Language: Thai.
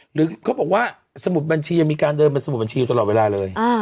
หรือเขาบอกว่าสมุดบัญชียังมีการเดินเป็นสมุดบัญชีอยู่ตลอดเวลาเลย